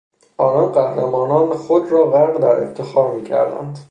آنان قهرمانان خود را غرق در افتخار میکردند.